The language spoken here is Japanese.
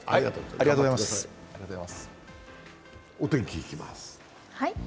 お天気いきます。